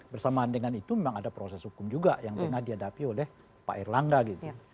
bersamaan dengan itu memang ada proses hukum juga yang tengah dihadapi oleh pak erlangga gitu